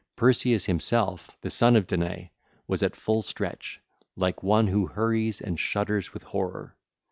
Perseus himself, the son of Danae, was at full stretch, like one who hurries and shudders with horror.